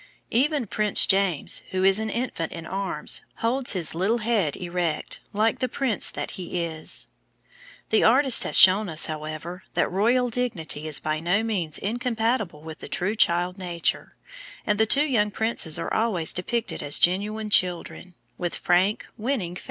Even Prince James, who is an infant in arms, holds his little head erect, like the prince that he is. The artist has shown us, however, that royal dignity is by no means incompatible with the true child nature, and the two young princes are always depicted as genuine children, with frank, winning faces.